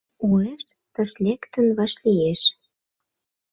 Уэш тыш лектын вашлиеш.